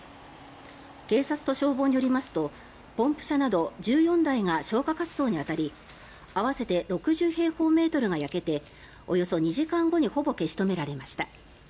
警察と消防によりますとポンプ車など１４台が消火活動に当たり合わせて６０平方メートルが焼けておよそ２時間後にほぼ消し止められました。